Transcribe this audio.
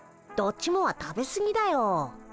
どっちもは食べすぎだよ。